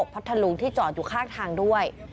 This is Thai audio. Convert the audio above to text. พัทธลุงที่จอดอยู่ข้างทางด้วย